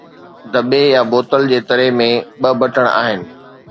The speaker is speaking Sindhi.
دٻي يا بوتل جي تري ۾ ٻه بٽڻ آهن